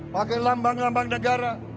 pakai lambang lambang negara